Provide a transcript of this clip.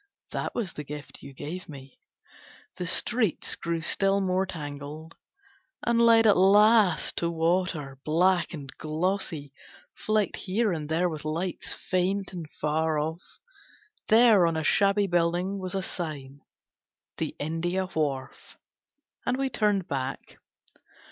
That was the gift you gave me. ... The streets grew still more tangled, And led at last to water black and glossy, Flecked here and there with lights, faint and far off. There on a shabby building was a sign "The India Wharf "... and we turned back.